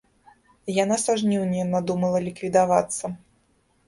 Яна са жніўня надумала ліквідавацца.